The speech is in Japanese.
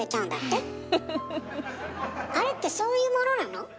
あれってそういうものなの？